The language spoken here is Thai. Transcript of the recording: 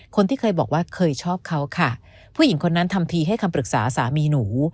คนที่เคยบอกว่าเคยชอบเขาค่ะผู้หญิงคนนั้นทำทีให้คำปรึกษาสามีหนู